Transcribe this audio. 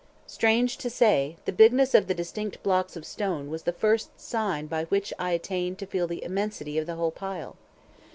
Strange to say, the bigness of the distinct blocks of stones was the first sign by which I attained to feel the immensity of the whole pile.